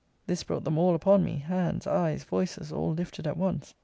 This brought them all upon me; hands, eyes, voices, all lifted at once.